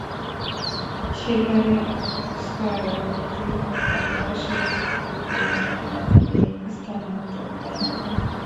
সেখানে অবস্থার অবনতি হলে তাঁকে রাজশাহী মেডিকেল কলেজ হাসপাতালে স্থানান্তর করা হয়।